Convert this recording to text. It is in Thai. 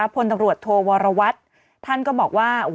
พลตำรวจโทวรวัตรท่านก็บอกว่า